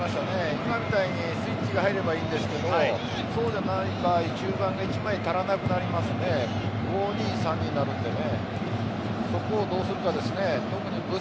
今みたいにスイッチが入ればいんですけどそうじゃない場合中盤で１枚足らなくなりますので５−４になるんでね。